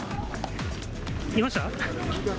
いました？